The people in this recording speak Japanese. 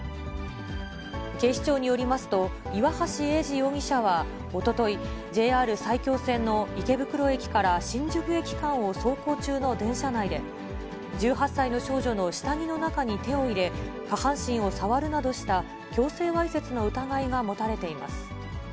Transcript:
警視庁によりますと、岩橋英治容疑者はおととい、ＪＲ埼京線の池袋駅から新宿駅間を走行中の電車内で、１８歳の少女の下着の中に手を入れ、下半身を触るなどした強制わいせつの疑いが持たれています。